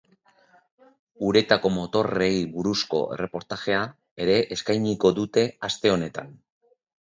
Uretako motorrei buruzko ereportajea ere eskainiko dute aste honetan.